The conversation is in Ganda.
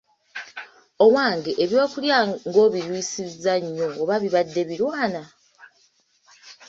Owange eby’okulya nga obirwisizza nnyo oba bibadde birwana?